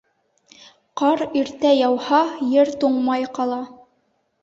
Ҡар иртә яуһа, ер туңмай ҡала.